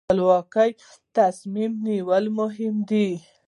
خپلواک تصمیم نیول مهم دي.